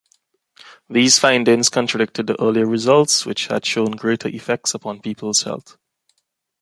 These findings contradicted the earlier results, which had shown greater effects upon people's health.